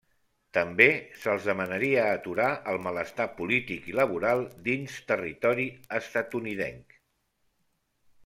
També se'ls demanaria aturar el malestar polític i laboral dins territori estatunidenc.